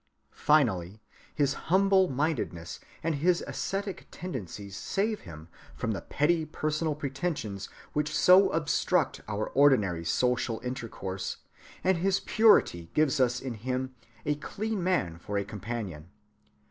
Finally, his humble‐ mindedness and his ascetic tendencies save him from the petty personal pretensions which so obstruct our ordinary social intercourse, and his purity gives us in him a clean man for a companion.